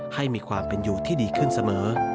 ให้มีความเป็นอยู่ที่ดีขึ้นเสมอ